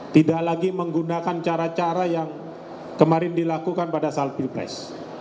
tidak lagi menggunakan cara cara yang kemarin dilakukan pada saat pilpres